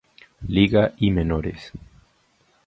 Liga y menores.